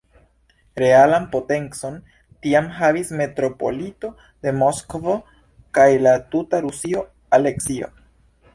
Realan potencon tiam havis metropolito de Moskvo kaj la tuta Rusio "Aleksio".